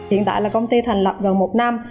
hiện tại là công ty thành lập gần một năm